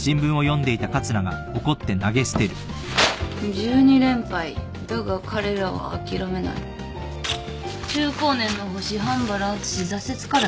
「１２連敗だが彼らは諦めない」「中高年の星半原敦挫折からの復活」